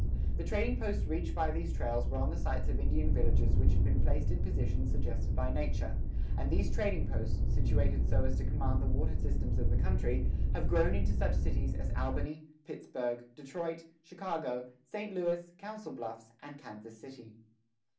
[14:1] The trading posts reached by these trails were on the sites of Indian villages which had been placed in positions suggested by nature; and these trading posts, situated so as to command the water systems of the country, have grown into such cities as Albany, Pittsburgh, Detroit, Chicago, St. Louis, Council Bluffs, and Kansas City.